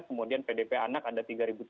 kemudian pdp anak ada tiga tiga ratus